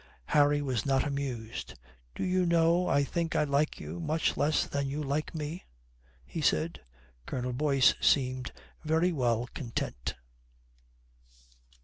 Harry was not amused. "Do you know, I think I like you much less than you like me," he said. Colonel Boyce seemed very well content.